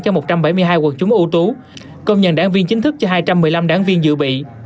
cho một trăm bảy mươi hai quần chúng ưu tú công nhận đảng viên chính thức cho hai trăm một mươi năm đảng viên dự bị